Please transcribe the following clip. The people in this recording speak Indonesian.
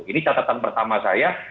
ini catatan pertama saya